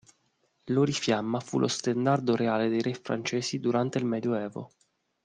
L'Orifiamma fu lo stendardo reale dei Re francesi durante il Medioevo.